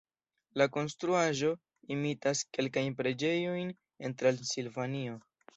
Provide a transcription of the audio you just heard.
La konstruaĵo imitas kelkajn preĝejojn en Transilvanio.